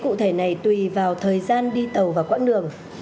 cụ thể này tùy vào thời gian đi tàu và quãng đường